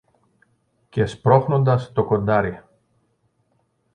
και σπρώχνοντας το κοντάρι